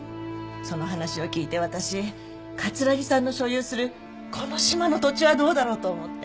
その話を聞いて私桂木さんの所有するこの島の土地はどうだろうと思って。